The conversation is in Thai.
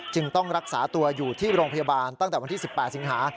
ต้องรักษาตัวอยู่ที่โรงพยาบาลตั้งแต่วันที่๑๘สิงหา